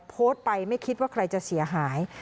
โพสต์ไปไม่คิดว่าใครจะเสียหาย